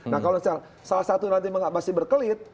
nah kalau misalnya salah satu nanti masih berkelit